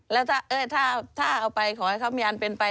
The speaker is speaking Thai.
แล้วถ้าเอาไปขอให้เขามีอันเป็นไป